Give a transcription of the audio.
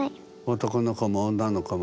男の子も女の子も。